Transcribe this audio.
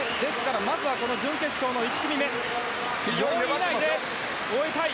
まずはこの準決勝の１組目４位以内で終えたい。